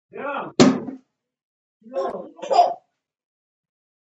وسله د پلار زحمت له پامه غورځوي